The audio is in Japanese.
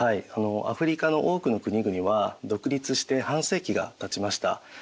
アフリカの多くの国々は独立して半世紀がたちました。